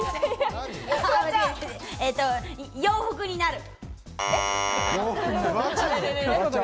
洋服になる。